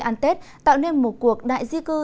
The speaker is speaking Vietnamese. an tết tạo nên một cuộc đại di cư